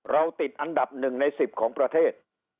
เราติดอันดับหนึ่งในสิบของประเทศ